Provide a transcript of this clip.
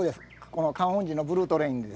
観音寺のブルートレイン